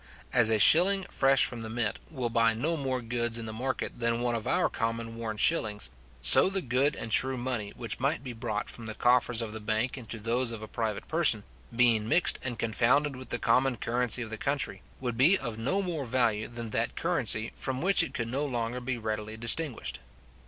As a shilling fresh from the mint will buy no more goods in the market than one of our common worn shillings, so the good and true money which might be brought from the coffers of the bank into those of a private person, being mixed and confounded with the common currency of the country, would be of no more value than that currency, from which it could no longer be readily distinguished.